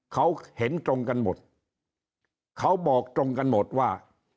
เขาเห็นตรงกันหมดเขาบอกตรงกันหมดว่า